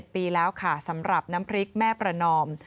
ปีแล้วค่ะสำหรับน้ำพริกแม่ประนอม